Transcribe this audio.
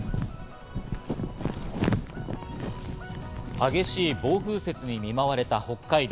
激しい暴風雪に見舞われた北海道。